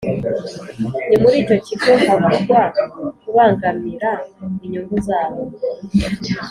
Ni muri icyo kigo havugwa kubangamira inyungu zabo